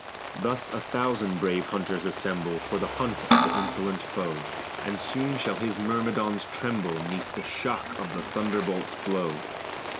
Thus a thousand brave hunters assemble For the hunt of the insolent foe, And soon shall his myrmidons tremble 'Neath the shock of the thunderbolt's blow.